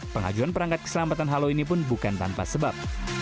pengajuan perangkat keselamatan halo ini pun bukan tanpa sebab